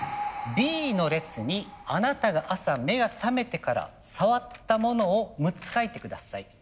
「Ｂの列にあなたが朝目がさめてから触ったものを六つかいてください」。